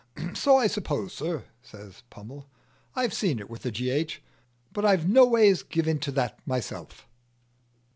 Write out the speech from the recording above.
"So I suppose, sir," says Pummel; "I've see it with a gh, but I've noways give into that myself."